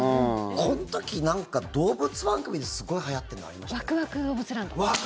この時なんか動物番組ですごいはやってんのありましたよね。